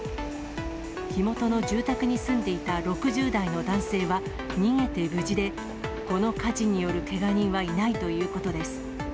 火元の住宅に住んでいた６０代の男性は、逃げて無事で、この火事によるけが人はいないということです。